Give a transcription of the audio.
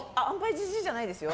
ジジイじゃないですよ。